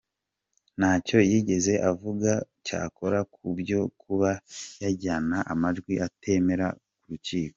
Ntacyo yigeze avuga cyakora ku byo kuba yajyana amajwi atemera mu rukiko.